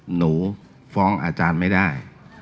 หนูฟ้องอาจารย์ไม่ได้